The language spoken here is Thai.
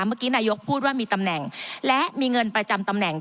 เมื่อกี้นายกพูดว่ามีตำแหน่งและมีเงินประจำตำแหน่ง